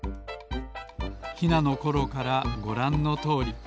ヒナのころからごらんのとおり。